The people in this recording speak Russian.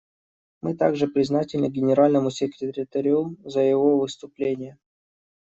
Мы также признательны Генеральному секретарю за его выступление.